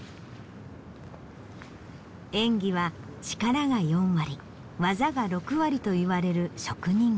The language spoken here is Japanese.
演技は力が４割技が６割といわれる職人芸。